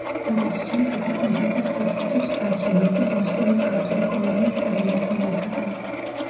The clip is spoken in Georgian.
როგორც ჩანს, იგი კონსულტაციებს იღებს არჩილ მეფის მოსკოვის ქართული კოლონიის წარმომადგენელთაგან.